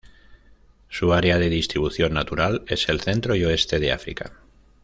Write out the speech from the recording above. Su área de distribución natural es el centro y oeste de África.